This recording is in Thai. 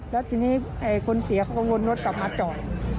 แล้วทีนี้คนเสียเขาก็วนรถกลับมาจอด